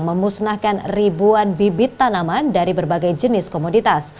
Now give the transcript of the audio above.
memusnahkan ribuan bibit tanaman dari berbagai jenis komoditas